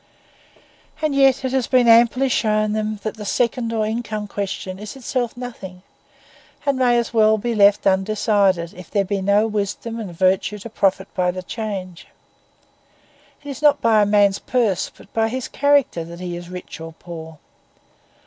And yet it has been amply shown them that the second or income question is in itself nothing, and may as well be left undecided, if there be no wisdom and virtue to profit by the change. It is not by a man's purse, but by his character that he is rich or poor.